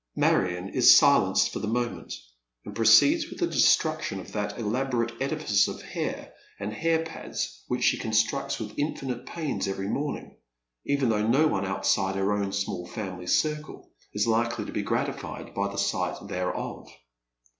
Marion is silenced for the moment, and proceeds with the destruction of that elaborate edifice of hair and hair pads which she constructs with infinite pains every morning, even though no one outside her own small family circle is likely to be gratified by the sight thereof.